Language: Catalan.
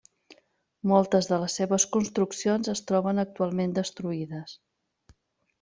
Moltes de les seves construccions es troben actualment destruïdes.